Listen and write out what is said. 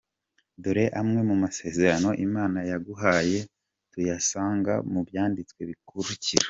Dore amwe mu masezerano Imana yaguhaye tuyasanga mu byanditswe bikurikira:.